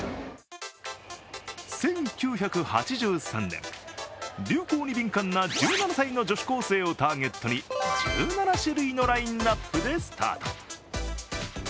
１９８３年、流行に敏感は１７歳の女子高生をターゲットに１７種類のラインナップでスタート。